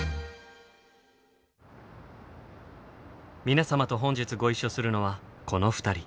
皆様と本日ご一緒するのはこの２人。